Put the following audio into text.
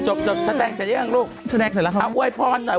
จบจบแสดงเสร็จหรือยังลูกแสดงเสร็จแล้วครับเอาอวยพรหน่อย